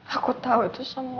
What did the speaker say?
aku tahu itu semua